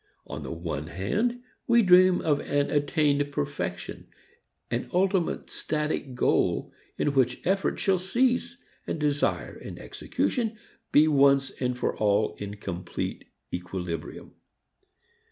On the one hand, we dream of an attained perfection, an ultimate static goal, in which effort shall cease, and desire and execution be once and for all in complete equilibrium.